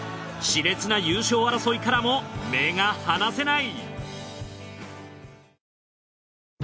熾烈な優勝争いからも目が離せない！